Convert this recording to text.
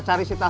itulah saat ya